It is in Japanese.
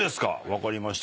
分かりました。